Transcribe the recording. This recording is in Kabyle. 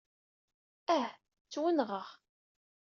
Ah! Ttwenɣeɣ!